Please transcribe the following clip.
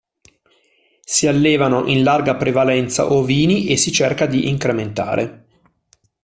Si allevano in larga prevalenza ovini e si cerca di incrementare.